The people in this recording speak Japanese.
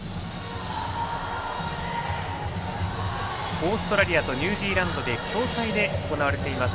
オーストラリアとニュージーランドで共催で行われています